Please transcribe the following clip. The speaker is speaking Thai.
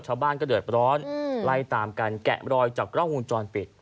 ชาวบ้านก็เดือดร้อนไล่ตามกันแกะรอยจากกล้องวงจรปิด